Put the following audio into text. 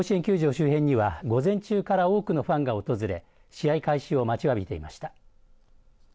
周辺には午前中から多くのファンが訪れ試合開始を待ちわびていました。